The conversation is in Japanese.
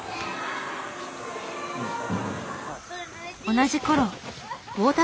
同じ頃。